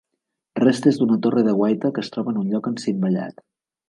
Restes d'una torre de guaita que es troba en un lloc encimbellat.